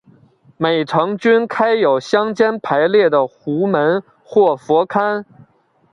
每层均开有相间排列的壸门或佛龛。